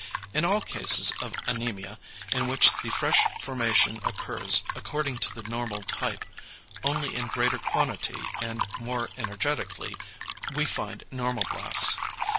In all cases of anæmia, in which the fresh formation occurs according to the normal type, only in greater quantity and more energetically, we find normoblasts.